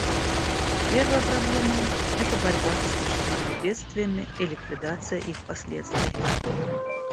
Первая проблема — это борьба со стихийными бедствиями и ликвидация их последствий.